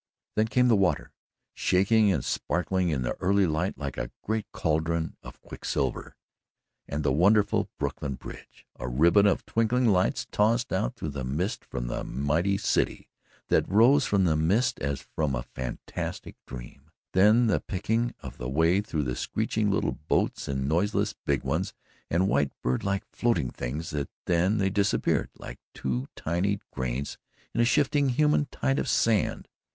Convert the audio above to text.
Then came the water, shaking and sparkling in the early light like a great cauldron of quicksilver, and the wonderful Brooklyn Bridge a ribbon of twinkling lights tossed out through the mist from the mighty city that rose from that mist as from a fantastic dream; then the picking of a way through screeching little boats and noiseless big ones and white bird like floating things and then they disappeared like two tiny grains in a shifting human tide of sand.